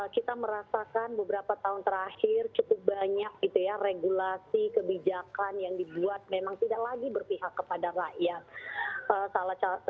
kita merasakan beberapa tahun terakhir cukup banyak regulasi kebijakan yang dibuat memang tidak lagi berpihak kepada rakyat